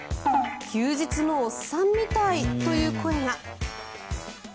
休日のおっさんみたいという声が。